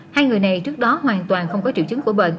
hai người này trước đó hoàn toàn không có triệu chứng của bệnh